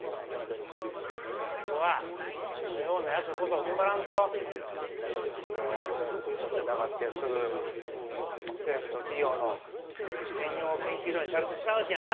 まあでもそこはお前のようなやつこそふんばらんと大学なんぞ寄ってたかってすぐ政府と企業の専用研究所にされてしまうしやな。